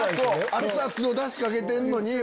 熱々のダシかけてんのに。